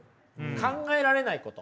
「考えられないこと」